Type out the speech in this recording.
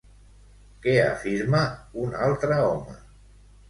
Què afirma, un altre home?